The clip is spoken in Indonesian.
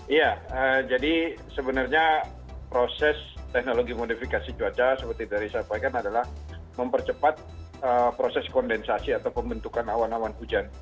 iya jadi sebenarnya proses teknologi modifikasi cuaca seperti tadi saya sampaikan adalah mempercepat proses kondensasi atau pembentukan awan awan hujan